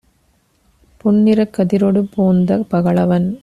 பொன்நிறக் கதிரொடு போந்த பகலவன்